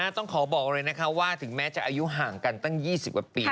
ต้องขอบอกเลยนะคะว่าถึงแม้จะอายุห่างกันตั้ง๒๐กว่าปี